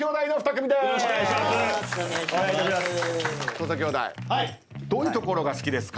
土佐兄弟どういうところが好きですか？